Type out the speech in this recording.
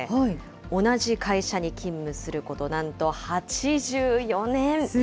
同じ会社に勤務することなんと８４年。